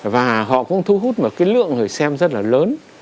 và họ cũng thu hút một cái lượng người xem rất là lớn